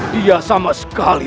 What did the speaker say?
dia sama sekali